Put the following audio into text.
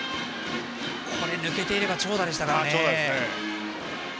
抜けていれば長打でしたかね。